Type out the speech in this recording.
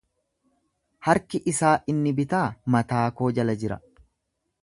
Harki isaa inni bitaa mataa koo jala jira,